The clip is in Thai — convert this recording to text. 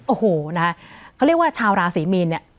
โอ้โหนะฮะเขาเรียกว่าชาวราศรีมีนเนี่ย